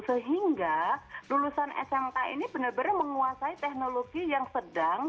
sehingga lulusan smk ini benar benar menguasai teknologi yang sedang